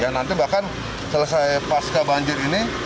nanti bahkan selesai pasca banjir ini